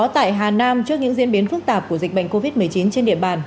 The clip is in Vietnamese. tại hà nam trước những diễn biến phức tạp của dịch bệnh covid một mươi chín trên địa bàn